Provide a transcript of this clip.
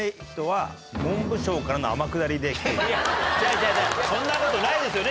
いや違う違う違うそんなことないですよね